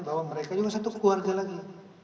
bahwa mereka juga satu keluarga lagi